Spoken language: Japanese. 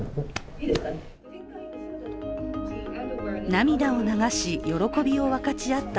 涙を流し、喜びを分かち合った